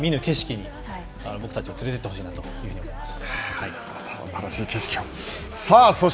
いまだ見ぬ景色に僕たちを連れていってほしいなと思います。